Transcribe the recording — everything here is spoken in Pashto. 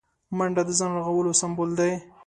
منډه د ځان رغولو سمبول دی